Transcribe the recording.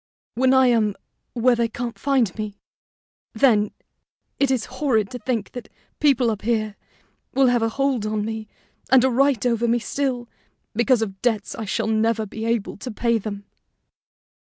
when I am where they can't find me, then, it is horrid to think that people up here will have a hold on me and a right over me still, because of debts I shall never be able to pay them."